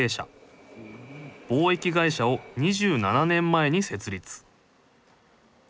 貿易会社を２７年前に設立